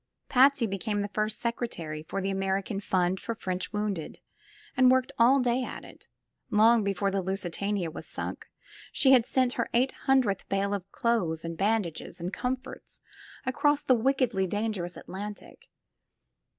Patsy became the first secretary for the American Fund for French Wounded and worked all day at it; long before the LusUama was sunk she had sent her eight hundredth bale of clothes and bandages and com 180 THE FILM OF FATE forts across the wickedly dangerous Atlantic.